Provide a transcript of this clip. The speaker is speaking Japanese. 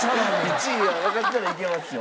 １位がわかったらいけますよ。